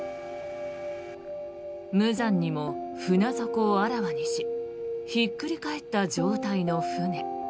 無残にも船底をあらわにしひっくり返った状態の船。